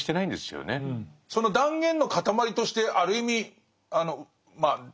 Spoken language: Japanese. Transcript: その断言の塊としてある意味まあ